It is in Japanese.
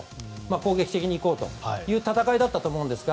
攻撃的に行こうという戦いだったと思うんですが。